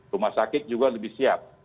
rumah sakit juga lebih siap